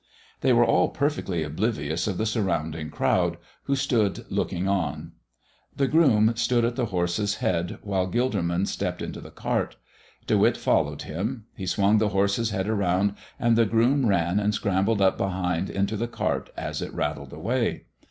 They were all perfectly oblivious of the surrounding crowd, who stood looking on. The groom stood at the horse's head while Gilderman stepped into the cart. De Witt followed him; he swung the horse's head around, and the groom ran and scrambled up behind into the cart as it rattled away.